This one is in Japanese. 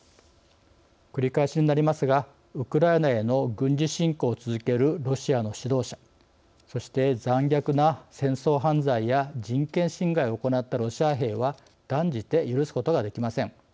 繰り返しになりますがウクライナへの軍事侵攻を続けるロシアの指導者そして残虐な戦争犯罪や人権侵害を行ったロシア兵は断じて許すことができません。